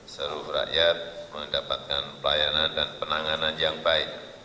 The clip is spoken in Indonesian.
seluruh rakyat mendapatkan pelayanan dan penanganan yang baik